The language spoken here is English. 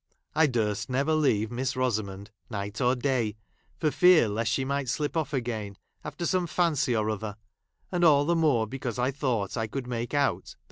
| I durst never leave Miss Rosamond, night or ! day, for fear lest she might slip off again, after some fancy qr other ; and all the more, i because I thought I could make out that |!